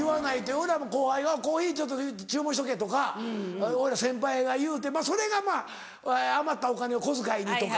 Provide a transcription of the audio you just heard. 俺らの後輩は「コーヒー注文しとけ」とか俺ら先輩が言うてそれが余ったお金を小遣いにとか。